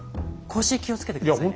腰気をつけて下さいね。